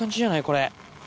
これ。